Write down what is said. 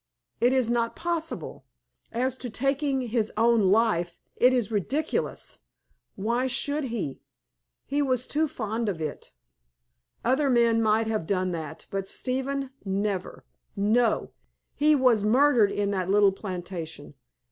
It is not possible. As to taking his own life, it is ridiculous! Why should he? He was too fond of it. Other men might have done that, but Stephen never! No. He was murdered in that little plantation.